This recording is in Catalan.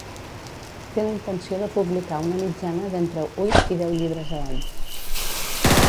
Té la intenció de publicar una mitjana d'entre huit i deu llibres a l'any.